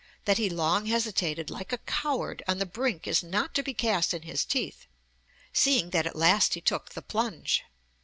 That he long hesitated, like a coward, on the brink is not to be cast in his teeth, seeing that at last he took the plunge.